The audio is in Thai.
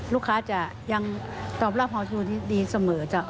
ลูกค้าจะยังตอบรับเพาะธุวดีเมื่อจ้ะ